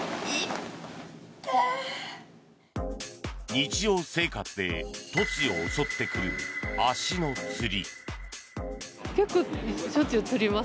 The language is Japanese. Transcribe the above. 日常生活で突如、襲ってくる足のつり。